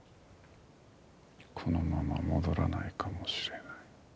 このまま戻らないかもしれない？